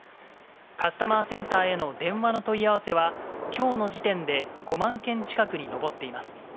カスタマーセンターへの電話の問い合わせは、きょうの時点で５万件近くに上っています。